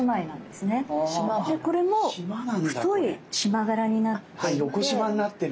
でこれも太い縞柄になっていて。